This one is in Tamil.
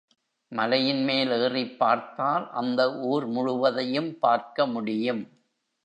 மலையின் மேல் ஏறிப் பார்த்தால் அந்த ஊர் முழுவதையும் பார்க்க முடியும்.